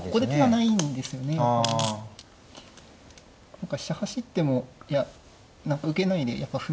何か飛車走ってもいや受けないでやっぱ歩の方が。